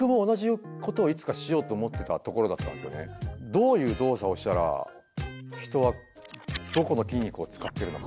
どういう動作をしたら人はどこの筋肉を使っているのか。